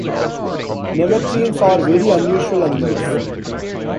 Nemerteans are very unusual animals.